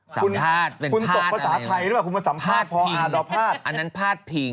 สัมภาษณ์เป็นพาตอะไรนะสัมภาษณ์พิงอันนั้นพาตพิง